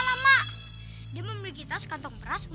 aku percaya padamu